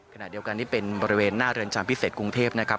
ขณะเดียวกันนี่เป็นบริเวณหน้าเรือนจำพิเศษกรุงเทพนะครับ